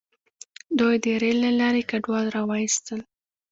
دوی د ریل له لارې کډوال راوستل.